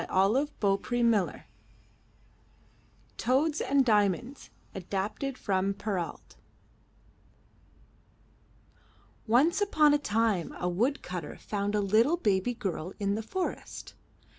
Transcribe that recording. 322 UP ONE PAIR OF STAIRS TOADS AND DIAMONDS Adapted from Perrault Once upon a time a woodcutter found a little baby girl in the forest.